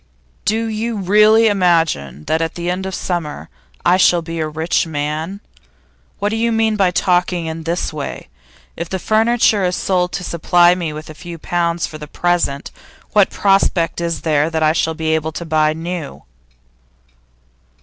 'Do you really imagine that at the end of the summer I shall be a rich man? What do you mean by talking in this way? If the furniture is sold to supply me with a few pounds for the present, what prospect is there that I shall be able to buy new?